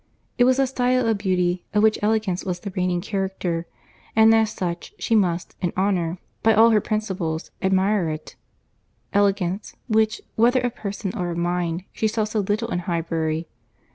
It was a style of beauty, of which elegance was the reigning character, and as such, she must, in honour, by all her principles, admire it:—elegance, which, whether of person or of mind, she saw so little in Highbury.